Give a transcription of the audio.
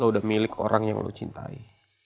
lo udah milik orang yang lo cintai